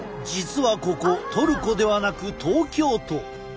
実はここトルコではなく東京都。